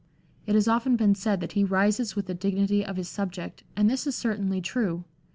It has often been said that he rises with the dignity of his subject, and this is certainly true.